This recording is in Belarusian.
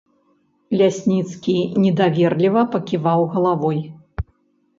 Лясніцкі недаверліва паківаў галавой.